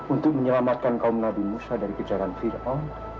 untuk menyelamatkan kaum nabi musa dari kejalanan fir'aun